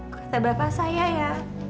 kata bapak saya ya